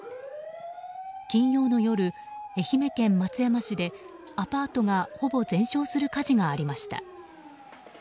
金曜の夜愛媛県松山市でアパートがほぼ全焼する火事がありました。